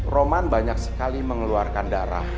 roman banyak sekali mengeluarkan darah